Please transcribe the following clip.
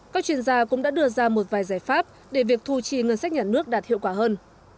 các chuyên gia cũng đã đưa ra một vài giải pháp để việc thu chi ngân sách nhà nước đạt hiệu quả hơn